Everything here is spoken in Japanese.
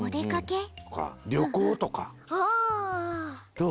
どう？